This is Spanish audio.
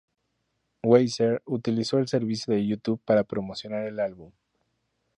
Weezer utilizó el servicio de YouTube para promocionar el álbum.